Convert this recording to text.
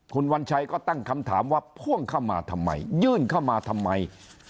คุณวัญชัยก็ตั้งคำถามว่าพ่วงเข้ามาทำไมยื่นเข้ามาทำไม